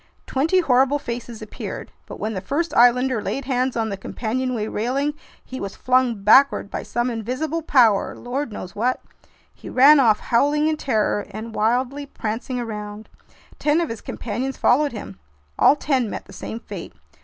Twenty horrible faces appeared. But when the first islander laid hands on the companionway railing, he was flung backward by some invisible power, lord knows what! He ran off, howling in terror and wildly prancing around. Ten of his companions followed him. All ten met the same fate.